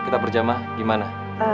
kita berjamaah gimana